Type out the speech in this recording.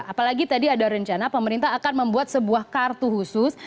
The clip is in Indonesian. apalagi tadi ada rencana pemerintah akan membuat sebuah kartu khusus